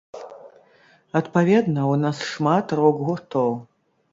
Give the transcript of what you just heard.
Адпаведна, у нас шмат рок-гуртоў.